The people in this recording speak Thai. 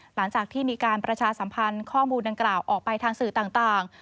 หลังจากที่มีการประชาสัมพันธ์ข้อมูลดังกล่าวออกไปทางสื่อต่าง